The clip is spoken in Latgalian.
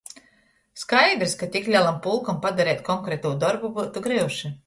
Skaidrys, ka tik lelam pulkam padareit konkretū dorbu byutu gryuši.